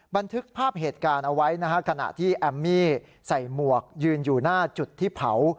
บันทึกภาพเหตุการณ์เอาไว้นะฮะขณะที่แอมมี่ใส่หมวกยืนอยู่หน้าจุดที่เผา